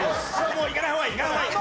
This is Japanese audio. もういかない方がいい。